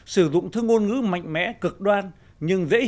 sử dụng thư ngôn ngữ mạnh mẽ cực đoan nhưng dễ dàng